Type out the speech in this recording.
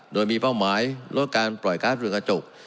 โดยมีเป้าหมายลดการปล่อยก๊าซเรือกระจก